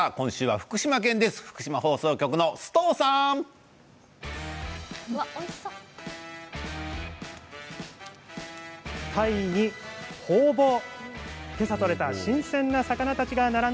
福島放送局の須藤さん。